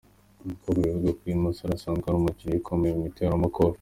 com bivuga ko uyu musore asanzwe ari umukinnyi ukomeye mu iteramakofe.